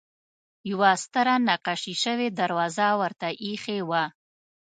یوه ستره نقاشي شوې دروازه ورته اېښې وه.